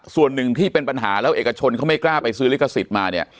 ส่วนหนึ่งที่เป็นปัญหาแล้วเอกชนเขาไม่กล้าไปซื้อลิขสิทธิ์มาเนี่ย